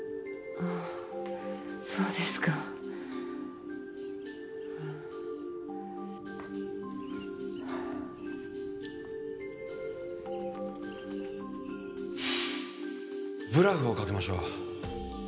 あぁそうですか。ブラフをかけましょう。